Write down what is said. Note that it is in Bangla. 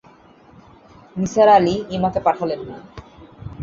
নিসার আলি ইমাকে পাঠালেন না।